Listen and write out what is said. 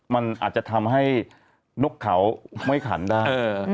มันอาจจะทำให้นกเขาไม่ขันได้